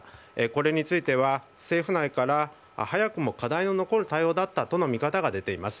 これについては政府内から早くも課題の残る対応だったとの見方が出ています。